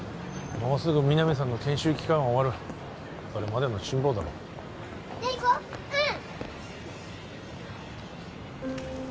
もうすぐ皆実さんの研修期間は終わるそれまでの辛抱だろうじゃ行こううん！